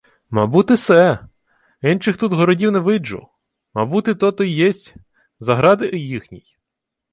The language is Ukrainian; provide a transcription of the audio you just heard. — Мабути, се... Инчих тут городів не виджу. Мабути, тото й єсть Заград їхній.